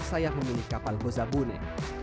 saya memilih kapal gozabune